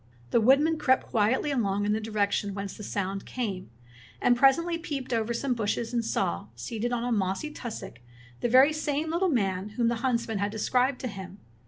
The woodman crept quietly along in the direction whence the sound came, and presently peeped over some bushes and saw, seated on a mossy tussock, the very same little man whom the huntsman had described to him.